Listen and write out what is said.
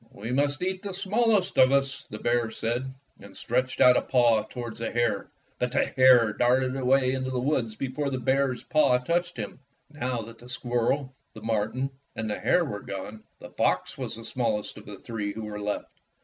"We must eat the smallest of us," the bear said, and stretched out a paw toward the hare. But the hare darted away into the woods before the bear's paw touched him.' Now that the squirrel, the marten, and the hare were gone, the fox was the smallest of the three who were left.